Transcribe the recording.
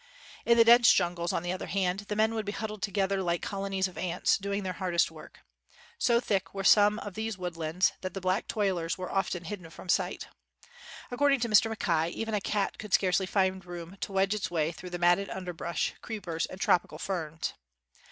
In the dense jungles, on the other hand, the men would be huddled together like colo nies of ants, doing their hardest work. So thick were some of these woodlands that the black toilers were often hidden from sight. According to Mr. Mackay even a cat could scarcely find room to wedge its way through the matted underbrush, creepers, and trop ical ferns.